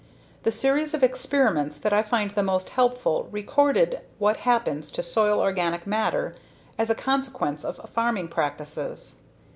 The series of experiments that I find the most helpful recorded what happens to soil organic matter as a consequence of farming practices.